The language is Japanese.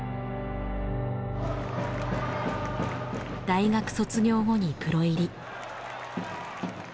大学卒業後にプロ入り。